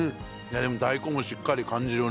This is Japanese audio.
でも大根もしっかり感じるね。